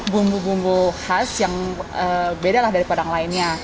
bumbu bumbu khas yang beda lah dari padang lainnya